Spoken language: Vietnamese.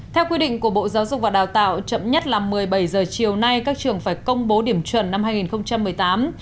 theo quy định của bộ giáo dục và đào tạo chậm nhất là một mươi bảy h chiều nay các trường phải công bố điểm chuẩn năm hai nghìn một mươi tám